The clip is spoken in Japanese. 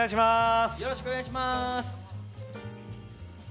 この後、よろしくお願いします。